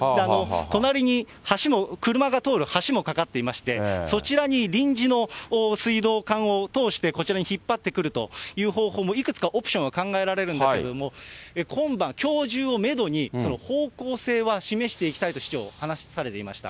隣に橋も、車が通る橋も架かっていまして、そちらに臨時の水道管を通して、こちらに引っ張ってくるっていうオプションもいくつかオプションは考えられるんですけども、今晩、きょう中をメドに、方向性は示していきたいと、市長話されていました。